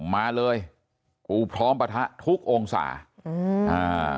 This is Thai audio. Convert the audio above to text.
มาเลยกูพร้อมปะทะทุกองศาอืมอ่า